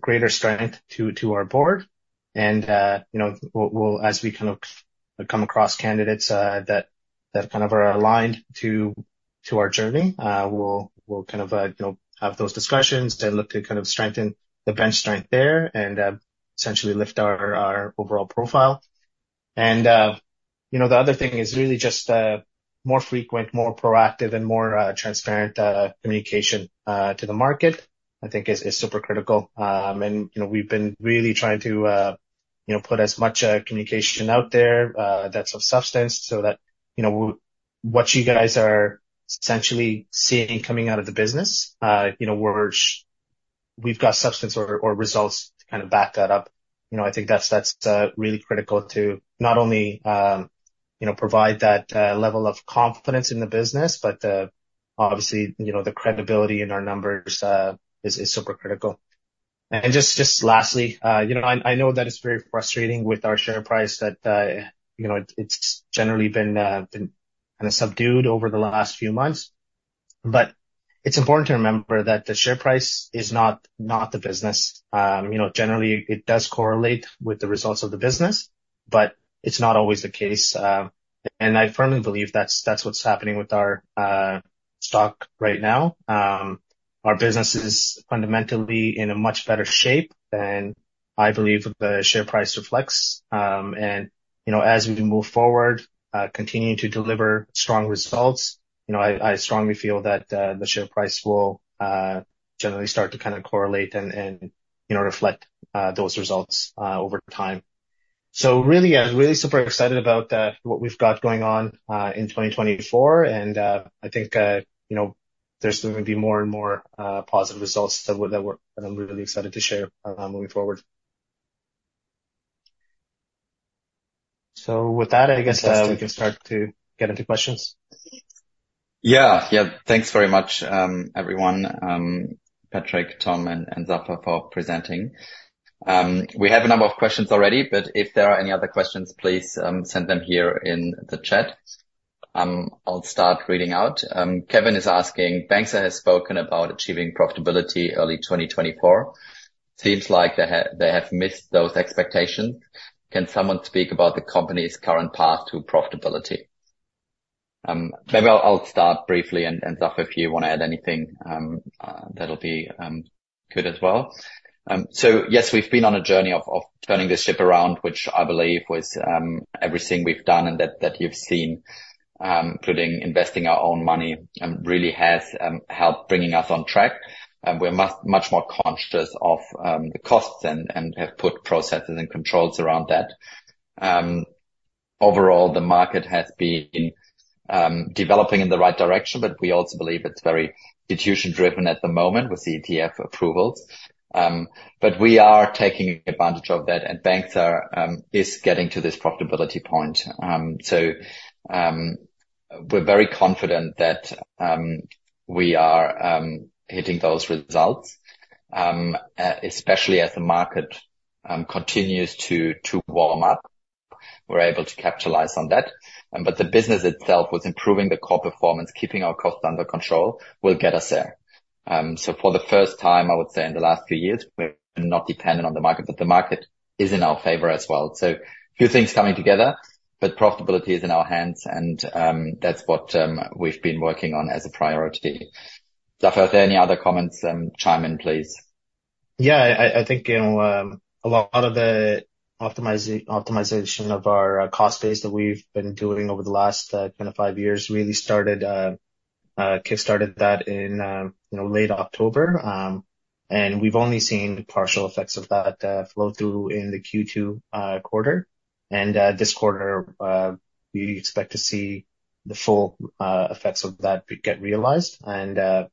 greater strength to our Board. And, you know, we'll... As we kind of come across candidates that kind of are aligned to our journey, we'll kind of, you know, have those discussions to look to kind of strengthen the bench strength there and essentially lift our overall profile. And, you know, the other thing is really just more frequent, more proactive, and more transparent communication to the market, I think is super critical. And, you know, we've been really trying to you know, put as much communication out there that's of substance, so that, you know, what you guys are essentially seeing coming out of the business, you know, we're, we've got substance or results to kind of back that up. You know, I think that's, that's really critical to not only you know, provide that level of confidence in the business, but obviously, you know, the credibility in our numbers is super critical. And just lastly, you know, I know that it's very frustrating with our share price that, you know, it's generally been kinda subdued over the last few months. But it's important to remember that the share price is not the business. You know, generally, it does correlate with the results of the business, but it's not always the case. And I firmly believe that's what's happening with our stock right now. Our business is fundamentally in a much better shape than I believe the share price reflects. And, you know, as we move forward, continuing to deliver strong results, you know, I strongly feel that the share price will generally start to kinda correlate and, you know, reflect those results over time. So really, I'm really super excited about what we've got going on in 2024, and I think, you know, there's gonna be more and more positive results that we're. And I'm really excited to share moving forward. So with that, I guess, we can start to get into questions. Yeah. Yeah, thanks very much, everyone, Patrick, Tom, and Zafer for presenting. We have a number of questions already, but if there are any other questions, please send them here in the chat. I'll start reading out. Kevin is asking: Banxa has spoken about achieving profitability early 2024. Seems like they have missed those expectations. Can someone speak about the company's current path to profitability? Maybe I'll start briefly, and Zafer, if you want to add anything, that'll be good as well. So yes, we've been on a journey of turning this ship around, which I believe was everything we've done and that you've seen, including investing our own money, and really has helped bringing us on track. We're much more conscious of the costs and have put processes and controls around that. Overall, the market has been developing in the right direction, but we also believe it's very institution-driven at the moment with ETF approvals. But we are taking advantage of that, and Banxa is getting to this profitability point. So, we're very confident that we are hitting those results. Especially as the market continues to warm up, we're able to capitalize on that. But the business itself, with improving the core performance, keeping our costs under control, will get us there. So for the first time, I would say, in the last few years, we're not dependent on the market, but the market is in our favor as well. So a few things coming together, but profitability is in our hands, and, that's what we've been working on as a priority. Zafer, are there any other comments? Chime in, please. Yeah, I think, you know, a lot of the optimization of our cost base that we've been doing over the last kind of five years really kickstarted that in, you know, late October. We've only seen partial effects of that flow through in the Q2 quarter. This quarter, we expect to see the full effects of that get realized. You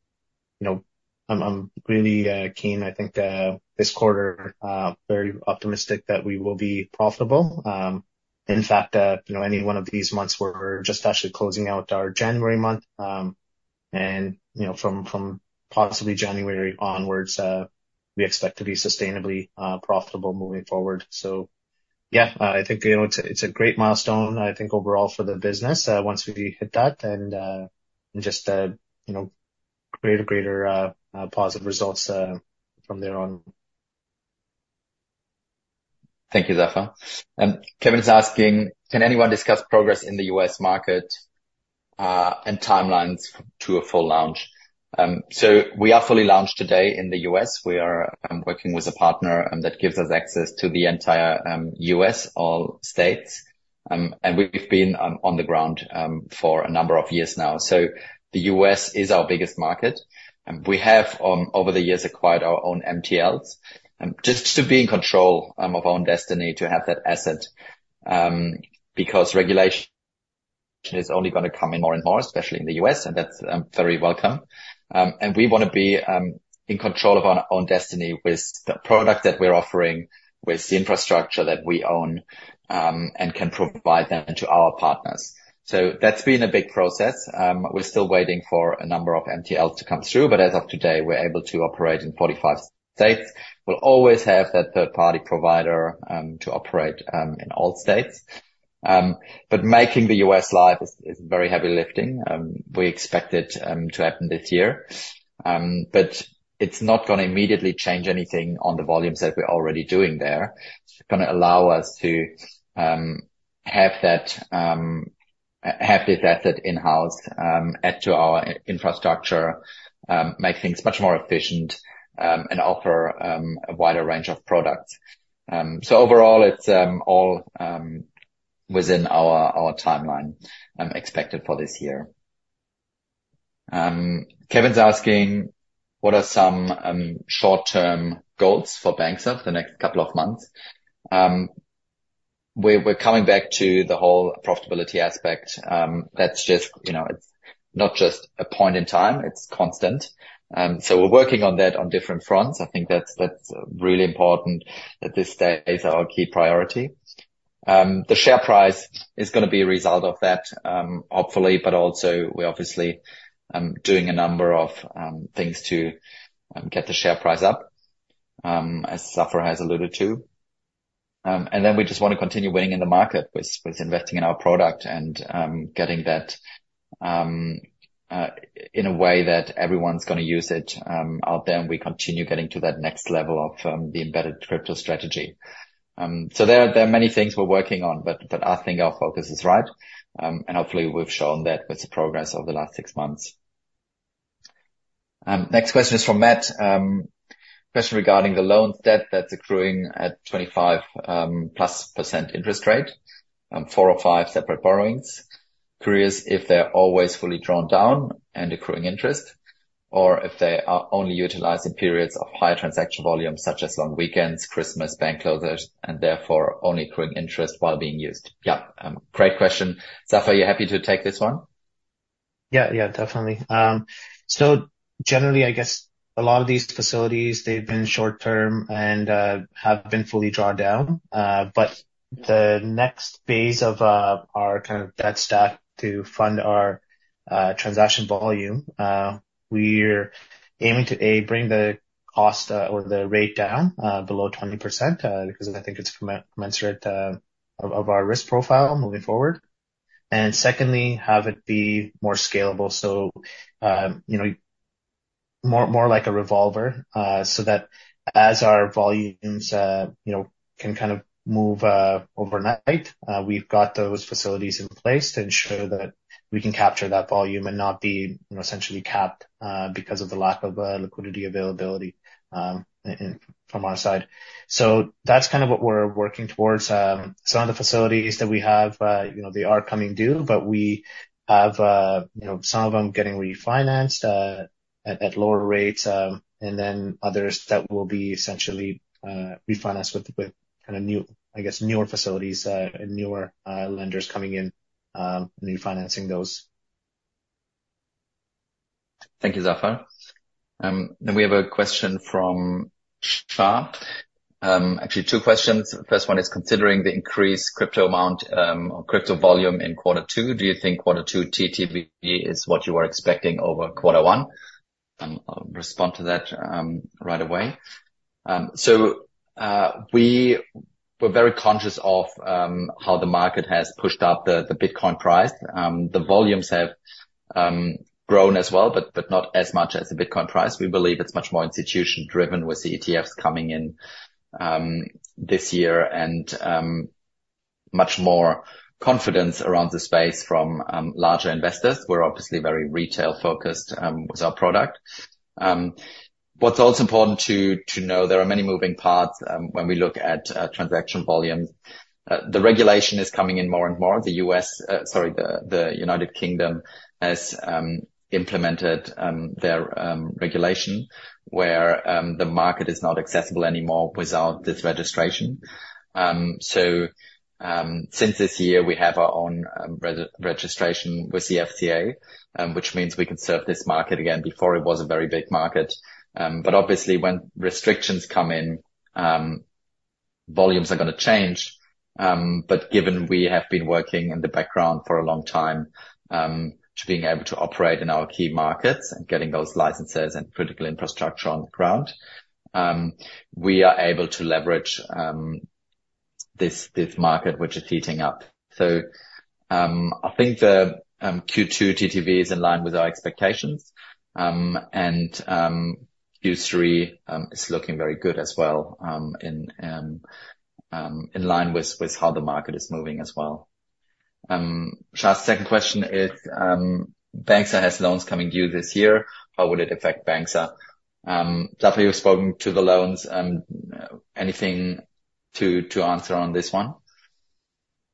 know, I'm really keen. I think this quarter very optimistic that we will be profitable. In fact, you know, any one of these months, we're just actually closing out our January month. You know, from possibly January onwards, we expect to be sustainably profitable moving forward. So yeah, I think, you know, it's a great milestone, I think, overall for the business, once we hit that and just, you know, create a greater positive results from there on. Thank you, Zafer. Kevin's asking: Can anyone discuss progress in the U.S. market, and timelines to a full launch? So we are fully launched today in the U.S. We are working with a partner, and that gives us access to the entire U.S., all states. And we've been on the ground for a number of years now. So the U.S. is our biggest market, and we have over the years acquired our own MTLs just to be in control of our own destiny, to have that asset because regulation is only gonna come in more and more, especially in the U.S., and that's very welcome. And we wanna be in control of our own destiny with the product that we're offering, with the infrastructure that we own and can provide them to our partners. So that's been a big process. We're still waiting for a number of MTLs to come through, but as of today, we're able to operate in 45 states. We'll always have that third-party provider to operate in all states. But making the U.S. live is very heavy lifting. We expect it to happen this year. But it's not gonna immediately change anything on the volumes that we're already doing there. It's gonna allow us to have this asset in-house, add to our infrastructure, make things much more efficient, and offer a wider range of products. So overall, it's all within our timeline expected for this year. Kevin's asking: What are some short-term goals for Banxa for the next couple of months? We're coming back to the whole profitability aspect. That's just, you know, it's not just a point in time, it's constant. So we're working on that on different fronts. I think that's really important, at this stage, our key priority. The share price is gonna be a result of that, hopefully, but also we obviously doing a number of things to get the share price up, as Zafer has alluded to. And then we just want to continue winning in the market with investing in our product and getting that in a way that everyone's gonna use it out there, and we continue getting to that next level of the embedded crypto strategy. So there are many things we're working on, but I think our focus is right. Hopefully, we've shown that with the progress over the last six months. Next question is from Matt. Question regarding the loan debt that's accruing at 25%+ interest rate, four or five separate borrowings. Curious if they're always fully drawn down and accruing interest, or if they are only utilized in periods of higher transaction volumes, such as on weekends, Christmas, bank closures, and therefore only accruing interest while being used. Yeah, great question. Zafer, are you happy to take this one? Yeah, yeah, definitely. So generally, I guess a lot of these facilities, they've been short term and have been fully drawn down. But the next phase of our kind of debt stack to fund our transaction volume, we're aiming to, A, bring the cost or the rate down below 20%, because I think it's commensurate of our risk profile moving forward. And secondly, have it be more scalable, so you know, more like a revolver, so that as our volumes you know can kind of move overnight, we've got those facilities in place to ensure that we can capture that volume and not be essentially capped because of the lack of liquidity availability from our side. So that's kind of what we're working towards. Some of the facilities that we have, you know, they are coming due, but we have, you know, some of them getting refinanced at lower rates, and then others that will be essentially refinanced with kind of new, I guess, newer facilities, and newer lenders coming in, refinancing those. Thank you, Zafer. Then we have a question from Shah. Actually, two questions. First one is considering the increased crypto amount, or crypto volume in quarter two, do you think quarter two TTV is what you are expecting over quarter one? I'll respond to that, right away. So, we were very conscious of how the market has pushed up the, the Bitcoin price. The volumes have grown as well, but, but not as much as the Bitcoin price. We believe it's much more institution-driven with the ETFs coming in this year, and much more confidence around the space from larger investors. We're obviously very retail-focused with our product. What's also important to know, there are many moving parts when we look at transaction volumes. The regulation is coming in more and more. The United Kingdom has implemented their regulation, where the market is not accessible anymore without this registration. So, since this year, we have our own registration with the FCA, which means we can serve this market again, before it was a very big market. But obviously, when restrictions come in, volumes are gonna change, but given we have been working in the background for a long time, to being able to operate in our key markets and getting those licenses and critical infrastructure on the ground, we are able to leverage this market, which is heating up. So, I think the Q2 TTV is in line with our expectations. Q3 is looking very good as well, in line with how the market is moving as well. Shah's second question is: Banxa has loans coming due this year. How would it affect Banxa? Zafer, you've spoken to the loans, anything to answer on this one?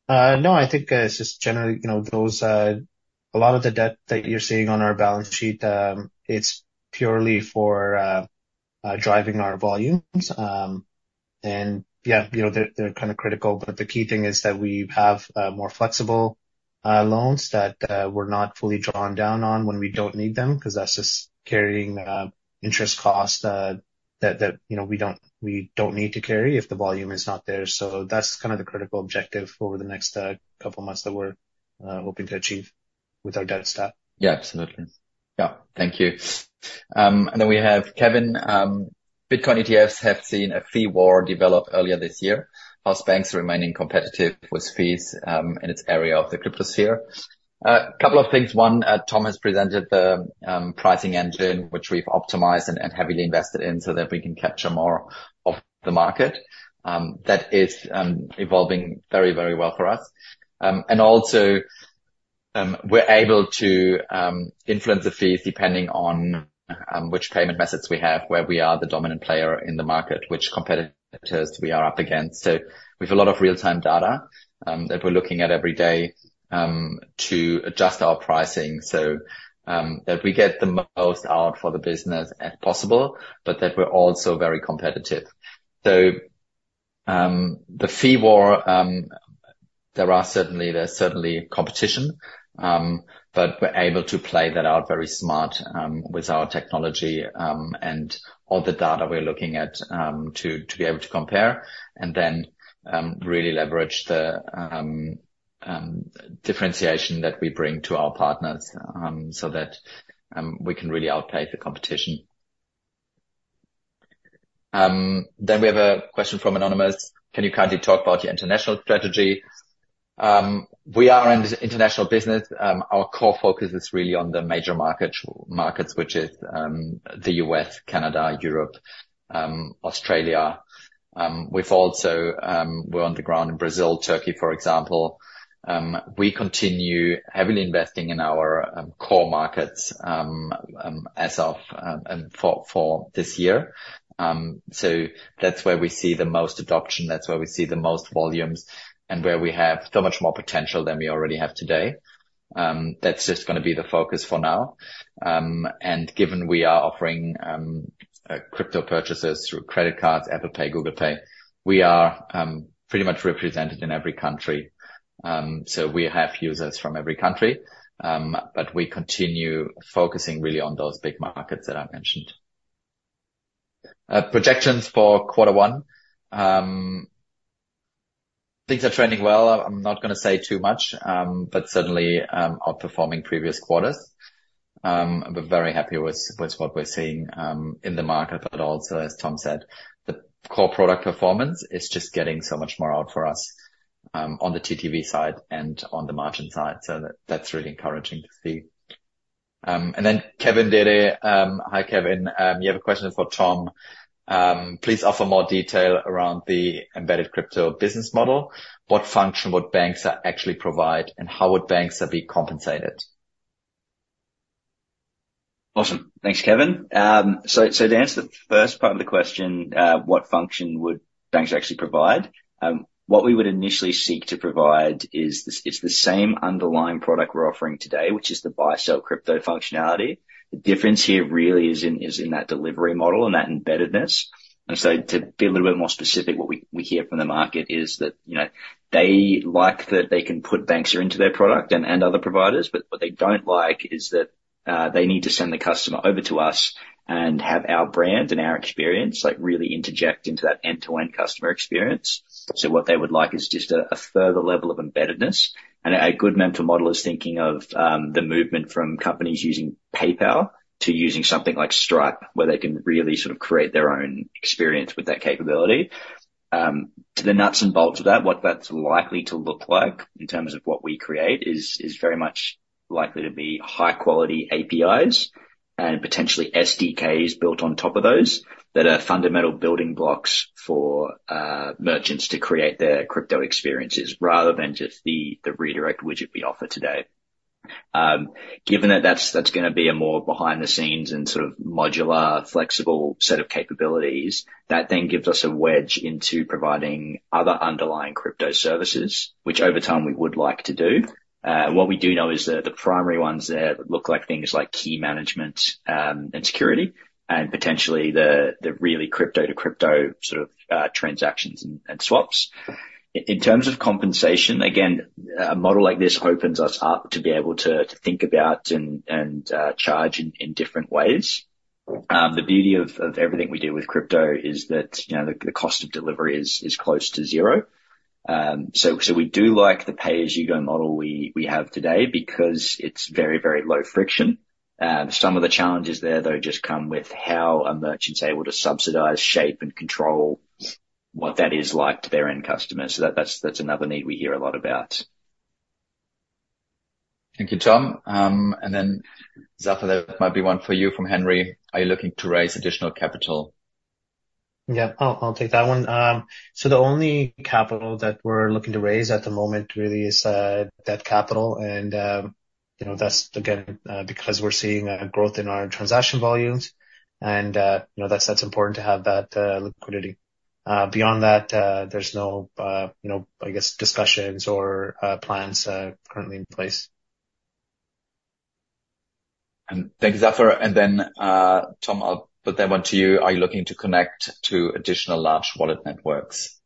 No, I think it's just generally, you know, those a lot of the debt that you're seeing on our balance sheet, it's purely for driving our volumes. And yeah, you know, they're, they're kind of critical, but the key thing is that we have more flexible loans that we're not fully drawn down on when we don't need them, 'cause that's just carrying interest costs that, that, you know, we don't, we don't need to carry if the volume is not there. So that's kind of the critical objective over the next couple of months that we're hoping to achieve with our debt stack. Yeah, absolutely. Yeah. Thank you. And then we have Kevin. Bitcoin ETFs have seen a fee war develop earlier this year. How is Banxa remaining competitive with fees in its area of the cryptosphere? A couple of things. One, Tom has presented the pricing engine, which we've optimized and heavily invested in so that we can capture more of the market. That is evolving very, very well for us. And also, we're able to influence the fees depending on which payment methods we have, where we are the dominant player in the market, which competitors we are up against. So we have a lot of real-time data that we're looking at every day to adjust our pricing, so that we get the most out for the business as possible, but that we're also very competitive. So the fee war, there is certainly competition, but we're able to play that out very smart with our technology and all the data we're looking at to be able to compare and then really leverage the differentiation that we bring to our partners so that we can really outpace the competition. Then we have a question from anonymous: "Can you kindly talk about your international strategy?" We are an international business. Our core focus is really on the major markets, which is the U.S., Canada, Europe, Australia. We've also, we're on the ground in Brazil, Turkey, for example. We continue heavily investing in our core markets, as of, and for this year. So that's where we see the most adoption, that's where we see the most volumes, and where we have so much more potential than we already have today. That's just gonna be the focus for now. And given we are offering crypto purchases through credit cards, Apple Pay, Google Pay, we are pretty much represented in every country. So we have users from every country, but we continue focusing really on those big markets that I mentioned. Projections for quarter one. Things are trending well. I'm not gonna say too much, but certainly outperforming previous quarters. We're very happy with, with what we're seeing, in the market, but also, as Tom said, the core product performance is just getting so much more out for us, on the TTV side and on the margin side, so that's really encouraging to see. Then Kevin Dede. Hi, Kevin, you have a question for Tom. "Please offer more detail around the embedded crypto business model. What function would Banxa actually provide, and how would Banxa be compensated? Awesome! Thanks, Kevin. So to answer the first part of the question, what function would Banxa actually provide? What we would initially seek to provide is the it's the same underlying product we're offering today, which is the buy, sell crypto functionality. The difference here really is in that delivery model and that embeddedness. So to be a little bit more specific, what we hear from the market is that, you know, they like that they can put Banxa into their product and other providers, but what they don't like is that they need to send the customer over to us and have our brand and our experience, like, really interject into that end-to-end customer experience. So what they would like is just a further level of embeddedness, and a good mental model is thinking of the movement from companies using PayPal to using something like Stripe, where they can really sort of create their own experience with that capability. To the nuts and bolts of that, what that's likely to look like in terms of what we create is very much likely to be high quality APIs and potentially SDKs built on top of those, that are fundamental building blocks for merchants to create their crypto experiences, rather than just the redirect widget we offer today. Given that that's gonna be a more behind the scenes and sort of modular, flexible set of capabilities, that then gives us a wedge into providing other underlying crypto services, which over time we would like to do. What we do know is that the primary ones there that look like things like key management, and security, and potentially the really crypto to crypto sort of transactions and swaps. In terms of compensation, again, a model like this opens us up to be able to think about and charge in different ways. The beauty of everything we do with crypto is that, you know, the cost of delivery is close to zero. So we do like the pay-as-you-go model we have today because it's very low friction. Some of the challenges there, though, just come with how a merchant's able to subsidize, shape, and control what that is like to their end customer. So that's another need we hear a lot about. Thank you, Tom. And then, Zafer, there might be one for you from Henry: "Are you looking to raise additional capital? Yeah, I'll take that one. So the only capital that we're looking to raise at the moment really is debt capital, and you know, that's again because we're seeing a growth in our transaction volumes, and you know, that's important to have that liquidity. Beyond that, there's no you know, I guess, discussions or plans currently in place. Thank you, Zafer. Then, Tom, I'll put that one to you: "Are you looking to connect to additional large wallet networks?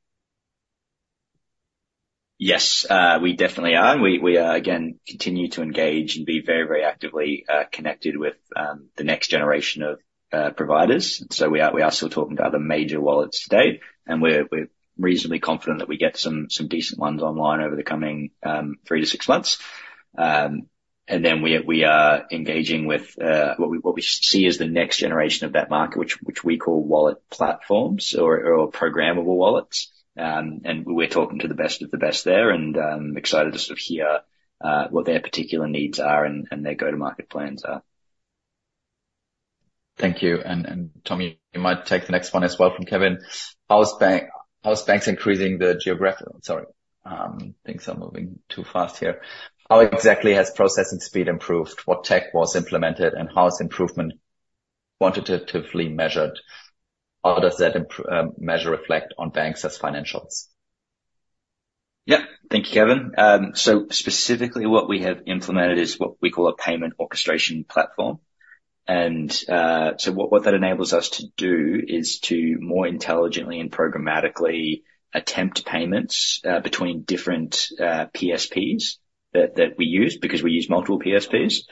Yes, we definitely are. And we are again continue to engage and be very, very actively connected with the next generation of providers. So we are still talking to other major wallets today, and we're reasonably confident that we get some decent ones online over the coming three to six months. And then we are engaging with what we see as the next generation of that market, which we call wallet platforms or programmable wallets. And we're talking to the best of the best there and excited to sort of hear what their particular needs are and their go-to-market plans are.... Thank you. And Tom, you might take the next one as well from Kevin. How is Banxa—how is Banxa increasing the geographic—Sorry, things are moving too fast here. How exactly has processing speed improved? What tech was implemented, and how is improvement quantitatively measured? How does that improvement measure reflect on Banxa's financials? Yeah. Thank you, Kevin. So specifically, what we have implemented is what we call a payment orchestration platform. And so what that enables us to do is to more intelligently and programmatically attempt payments between different PSPs that we use, because we use multiple PSPs.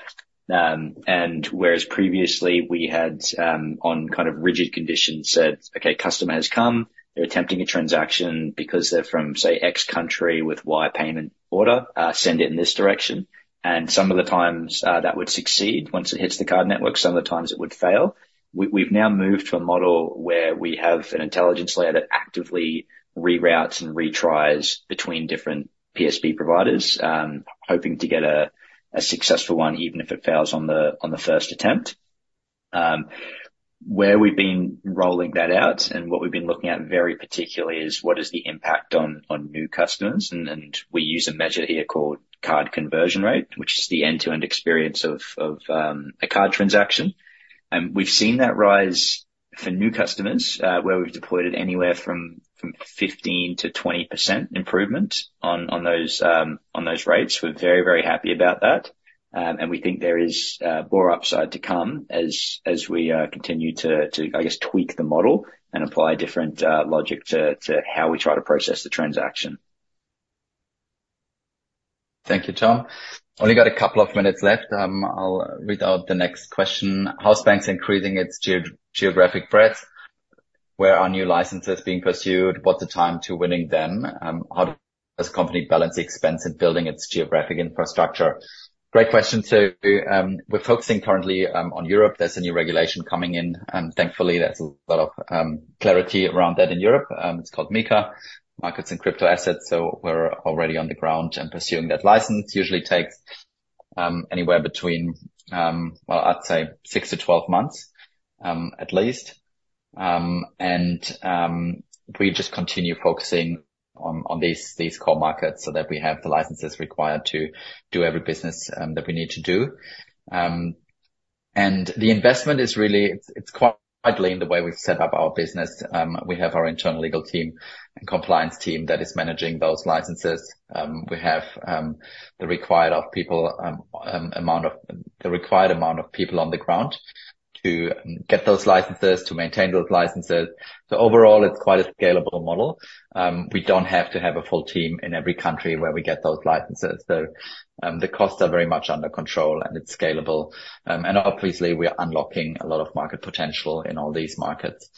And whereas previously we had on kind of rigid conditions, said, "Okay, customer has come, they're attempting a transaction because they're from, say, X country with Y payment order, send it in this direction." And some of the times that would succeed. Once it hits the card network, some of the times it would fail. We've now moved to a model where we have an intelligence layer that actively reroutes and retries between different PSP providers, hoping to get a successful one, even if it fails on the first attempt. Where we've been rolling that out and what we've been looking at very particularly is: what is the impact on new customers? We use a measure here called Card Conversion Rate, which is the end-to-end experience of a card transaction. We've seen that rise for new customers where we've deployed it anywhere from 15%-20% improvement on those rates. We're very, very happy about that. We think there is more upside to come as we continue to, I guess, tweak the model and apply different logic to how we try to process the transaction. Thank you, Tom. Only got a couple of minutes left. I'll read out the next question: How is Banxa increasing its geographic breadth? Where are new licenses being pursued? What's the time to winning them? How does the company balance the expense in building its geographic infrastructure? Great question, too. We're focusing currently on Europe. There's a new regulation coming in, and thankfully, there's a lot of clarity around that in Europe. It's called MiCA, Markets in Crypto-Assets, so we're already on the ground and pursuing that license. Usually takes anywhere between, well, I'd say 6-12 months, at least. And we just continue focusing on these core markets so that we have the licenses required to do every business that we need to do. And the investment is really... It's quite widely in the way we've set up our business. We have our internal legal team and compliance team that is managing those licenses. We have the required amount of people on the ground to get those licenses, to maintain those licenses. So overall, it's quite a scalable model. We don't have to have a full team in every country where we get those licenses. So, the costs are very much under control, and it's scalable. And obviously, we are unlocking a lot of market potential in all these markets,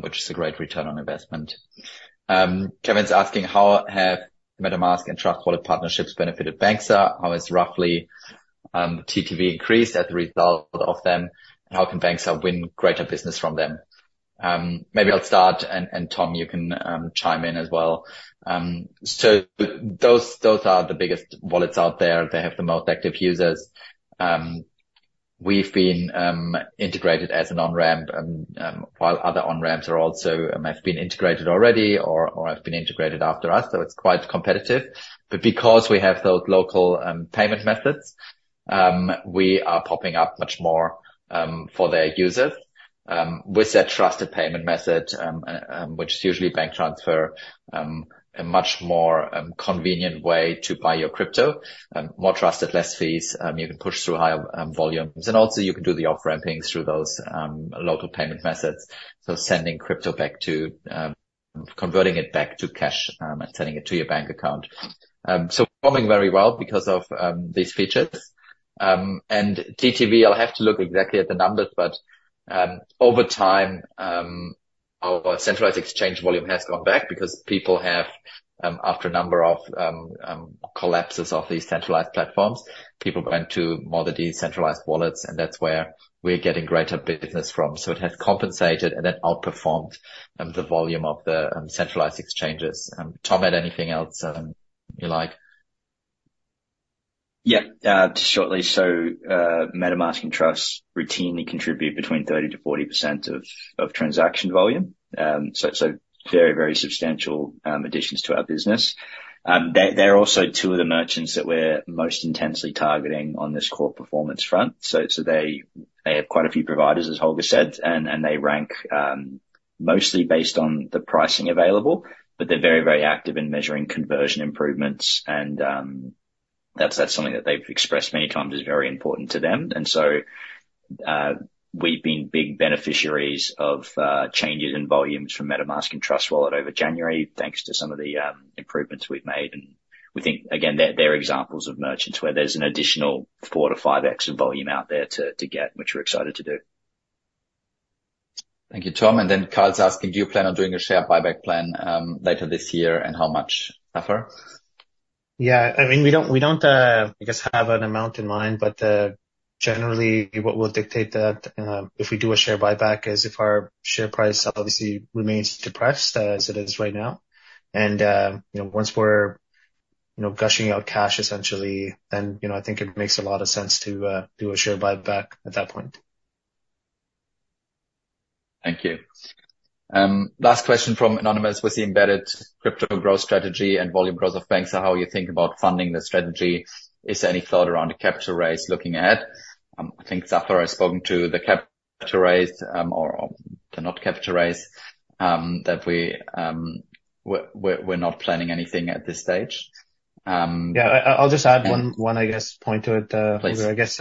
which is a great return on investment. Kevin's asking: How have MetaMask and Trust Wallet partnerships benefited Banxa? How has roughly TTV increased as a result of them, and how can Banxa win greater business from them? Maybe I'll start and, and Tom, you can, chime in as well. So those, those are the biggest wallets out there. They have the most active users. We've been integrated as an on-ramp, while other on-ramps are also have been integrated already or, or have been integrated after us, so it's quite competitive. But because we have those local payment methods, we are popping up much more for their users with that trusted payment method, which is usually bank transfer, a much more convenient way to buy your crypto. More trusted, less fees, you can push through higher volumes, and also you can do the off-ramping through those local payment methods. So sending crypto back to converting it back to cash, and sending it to your bank account. So we're performing very well because of these features. And TTV, I'll have to look exactly at the numbers, but over time, our centralized exchange volume has gone back because people have, after a number of collapses of these centralized platforms, people went to more of the decentralized wallets, and that's where we're getting greater business from. So it has compensated and then outperformed the volume of the centralized exchanges. Tom, add anything else you like? Yeah, just shortly. So, MetaMask and Trust routinely contribute between 30%-40% of transaction volume. Very, very substantial additions to our business. They're also two of the merchants that we're most intensely targeting on this core performance front. So, they have quite a few providers, as Holger said, and they rank mostly based on the pricing available, but they're very, very active in measuring conversion improvements, and that's something that they've expressed many times is very important to them. And so, we've been big beneficiaries of changes in volumes from MetaMask and Trust Wallet over January, thanks to some of the improvements we've made. And we think, again, they're examples of merchants where there's an additional 4x-5x of volume out there to get, which we're excited to do. Thank you, Tom. And then Carl's asking: Do you plan on doing a share buyback plan, later this year, and how much, Zafer? Yeah, I mean, we don't, we don't, I guess, have an amount in mind, but, generally, what will dictate that, if we do a share buyback, is if our share price obviously remains depressed, as it is right now. You know, once we're-... you know, gushing out cash essentially, then, you know, I think it makes a lot of sense to, do a share buyback at that point. Thank you. Last question from anonymous, with the embedded crypto growth strategy and volume growth of Banxa, how you think about funding the strategy? Is there any thought around the capital raise looking at? I think, Zafer, I've spoken to the capital raise, or not capital raise, that we're not planning anything at this stage. Yeah, I'll just add one, I guess, point to it. Please. I guess,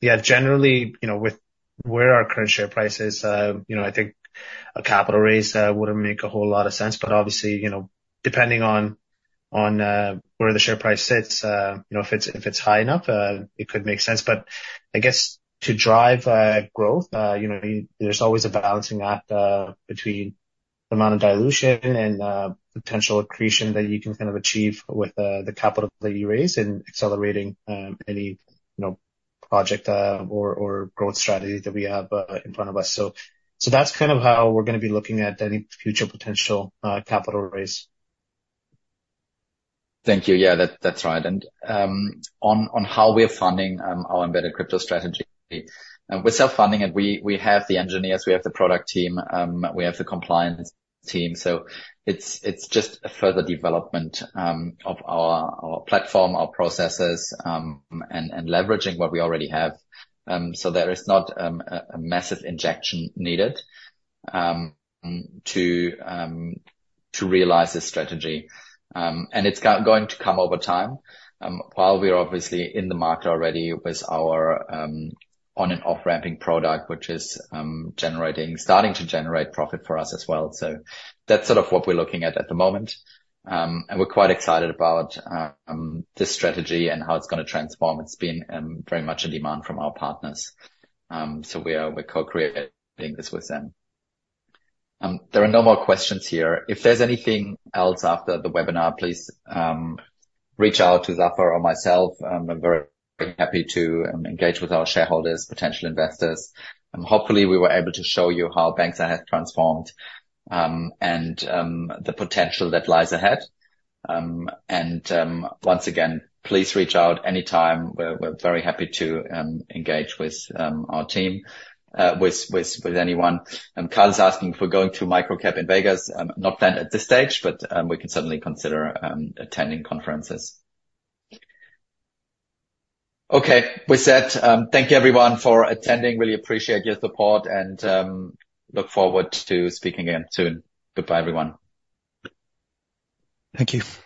yeah, generally, you know, with where our current share price is, you know, I think a capital raise wouldn't make a whole lot of sense, but obviously, you know, depending on, on, where the share price sits, you know, if it's, if it's high enough, it could make sense. But I guess to drive, growth, you know, there's always a balancing act, between the amount of dilution and, potential accretion that you can kind of achieve with, the capital that you raise in accelerating, any, you know, project, or, growth strategy that we have, in front of us. So, that's kind of how we're gonna be looking at any future potential, capital raise. Thank you. Yeah, that's right. On how we're funding our embedded crypto strategy. We're self-funding, and we have the engineers, we have the product team, we have the compliance team, so it's just a further development of our platform, our processes, and leveraging what we already have. So there is not a massive injection needed to realize this strategy. And it's going to come over time. While we're obviously in the market already with our on and off-ramping product, which is starting to generate profit for us as well. So that's sort of what we're looking at at the moment. And we're quite excited about this strategy and how it's gonna transform. It's been very much in demand from our partners. So we are, we're co-creating this with them. There are no more questions here. If there's anything else after the webinar, please, reach out to Zafer or myself. I'm very happy to engage with our shareholders, potential investors, and hopefully, we were able to show you how Banxa has transformed, and, the potential that lies ahead. And, once again, please reach out anytime. We're, we're very happy to, engage with, our team, with, with, with anyone. And Carl's asking if we're going to MicroCap in Vegas? Not planned at this stage, but, we can certainly consider, attending conferences. Okay, with that, thank you everyone for attending. Really appreciate your support, and, look forward to speaking again soon. Goodbye, everyone. Thank you.